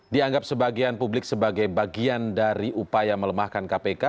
dianggap sebagian publik sebagai bagian dari upaya melemahkan kpk